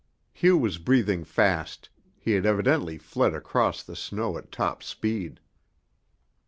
Hugh was breathing fast; he had evidently fled across the snow at top speed.